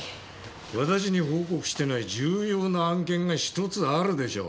私に報告してない重要な案件が１つあるでしょう？